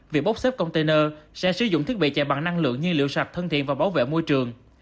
việc bốc xếp container sẽ sử dụng thiết bị chạy bằng năng lượng nhiên liệu sạch thân thiện và bảo vệ môi trường